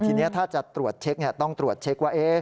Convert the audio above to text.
ทีนี้ถ้าจะตรวจเช็คต้องตรวจเช็คว่า